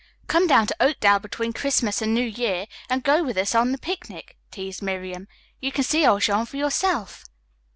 "Come down to Oakdale between Christmas and New Year and go with us on the picnic," teased Miriam. "You can see old Jean for yourself."